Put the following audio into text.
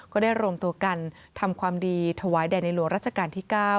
ก็ได้รวมตัวกันทำความดีถวายแด่ในหลวงรัชกาลที่๙